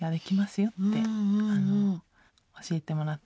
よって教えてもらって。